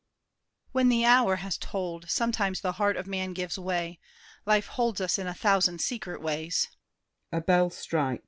When the hour Has tolled, sometimes the heart of man gives way. Life holds us in a thousand secret ways.